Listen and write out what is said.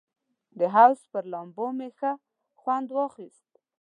د حوض پر لامبو یې ښه خوند واخیست.